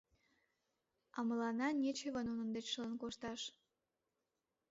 — А мыланна нечыве нунын деч шылын кошташ!